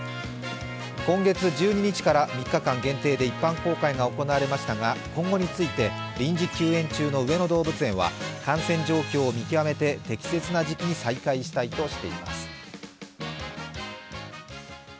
今月１２日から３日間限定で一般公開が行われましたが、今後について、臨時休園中の上野動物園は感染状況を見極めて適切な時期に再開したいとしています。